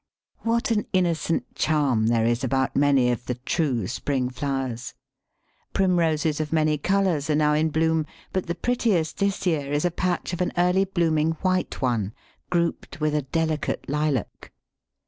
What an innocent charm there is about many of the true spring flowers. Primroses of many colours are now in bloom, but the prettiest, this year, is a patch of an early blooming white one, grouped with a delicate lilac.